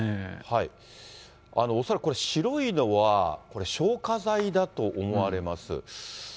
恐らくこれ、白いのは消火剤だと思われます。